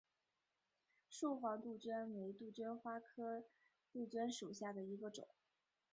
蔗黄杜鹃为杜鹃花科杜鹃属下的一个种。